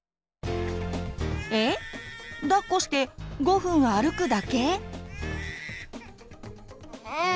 えっ⁉だっこして５分歩くだけ？